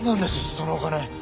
そのお金。